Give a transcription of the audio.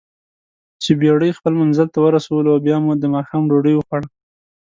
چې بېړۍ خپل منزل ته ورسولواو بیا مو دماښام ډوډۍ وخوړه.